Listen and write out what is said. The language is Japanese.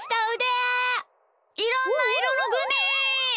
いろんないろのグミ！